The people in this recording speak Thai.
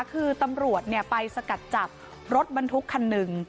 คือตำรวจไปสกัดจับรถบรรทุกคันหนึ่ง